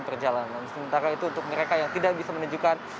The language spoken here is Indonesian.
sementara itu untuk mereka yang tidak bisa menunjukkan